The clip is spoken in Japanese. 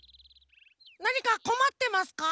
なにかこまってますか？